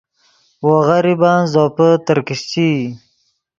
وو غریبن زوپے ترکیشچئی